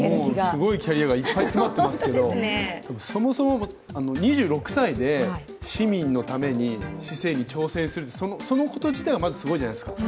すごいキャリアがいっぱい詰まっていますけれども、そもそも２６歳で市民のために市政に挑戦する、そのこと自体がまずすごいじゃないですか。